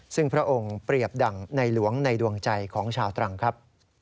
ซึ่งพระองค์เปรียบดังในหลวงในดวงใจของชาวตรังครับ